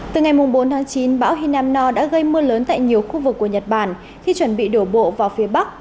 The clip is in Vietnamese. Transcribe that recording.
từ ngày bốn chín bão hinam no đã gây mưa lớn tại nhiều khu vực của nhật bản khi chuẩn bị đổ bộ vào phía bắc